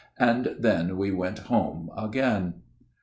And then we went home again.